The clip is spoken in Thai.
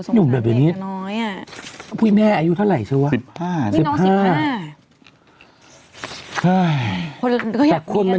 สมมติว่าเด็กน้อยอ่ะ